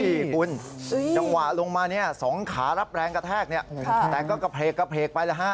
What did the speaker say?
นี่คุณจังหวะลงมาเนี่ย๒ขารับแรงกระแทกเนี่ยแต่ก็กระเพลกไปแล้วฮะ